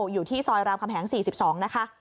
อยู่ที่ซอยรามคำแหง๔๒นะคะ